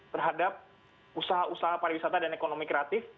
terhadap usaha usaha pariwisata dan ekonomi kreatif